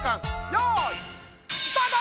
よいスタート！